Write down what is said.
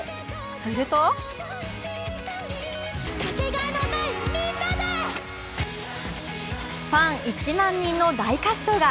するとファン１万人の大合唱が。